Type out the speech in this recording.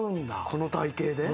この体形で？